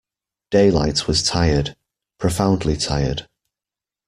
Daylight was tired, profoundly tired.